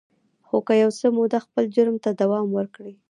خو که يو څه موده خپل جرم ته دوام ورکړي.